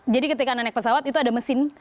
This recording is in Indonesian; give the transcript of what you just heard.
jadi ketika anda naik pesawat itu ada mesin